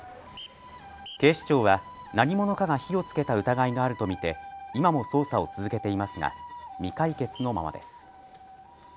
警視庁は何者かが火をつけた疑いがあると見て今も捜査を続けていますが未解決のままです。